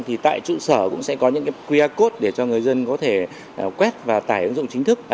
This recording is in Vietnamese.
thì tại trụ sở cũng sẽ có những qr code để cho người dân có thể quét và tải ứng dụng chính thức